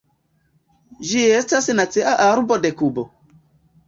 Ĝi estas nacia arbo de Kubo.